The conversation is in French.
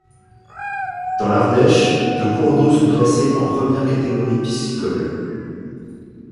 Dans l'Ardèche, de cours d'eau sont classés en première catégorie piscicole.